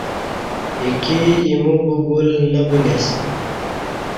ایکی ایمو بگول نہ بولی اسہ